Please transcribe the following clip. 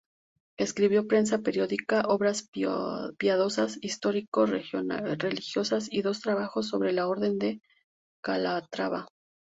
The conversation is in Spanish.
Escribió prensa periódica, obras piadosas, histórico-religiosas y dos trabajos sobre la Orden de Calatrava.